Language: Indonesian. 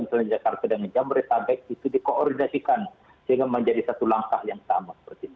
misalnya jakarta dan ngejam riksabek itu dikoordinasikan dengan menjadi satu langkah yang sama